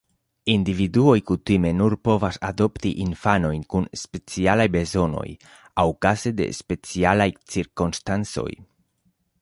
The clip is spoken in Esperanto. Individuoj kutime nur povas adopti infanojn kun specialaj bezonoj aŭ kaze de specialaj cirkonstancoj.